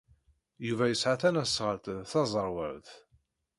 Yuba yesɛa tasnasɣalt d taẓerwalt.